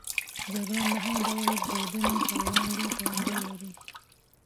جګړن د هر ډول بریدونو پر وړاندې تیاری لري.